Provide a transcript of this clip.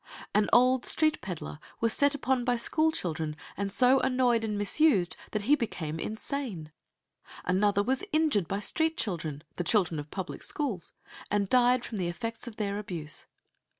An old street peddler was set upon by school children and so annoyed and misused that he became insane. Another was injured by street children the children of the public schools and died from the effects of their abuse.